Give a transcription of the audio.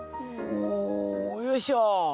およいしょ！